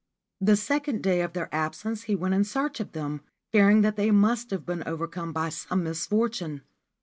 The second day of their absence he went in search of them, fearing that they must have been overcome by some misfortune.